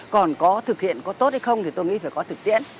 còn có thực hiện có tốt hay không thì tôi nghĩ phải có thực tiễn